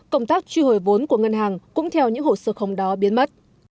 công tác truy hồi vốn của ngân hàng cũng theo những hồ sơ không đó biến mất